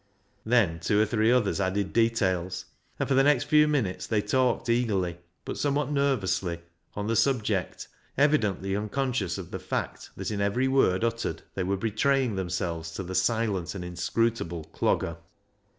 Then two or three others added details, and for the next few minutes they talked eagerly, but somewhat nervously, on the subject, evi dently unconscious of the fact that in every word uttered they were betraying themselves to the silent and inscrutable Clogger.